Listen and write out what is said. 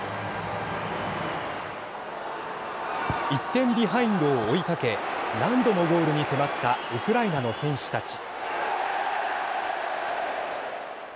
１点ビハインドを追いかけ何度もゴールに迫ったウクライナの選手たち。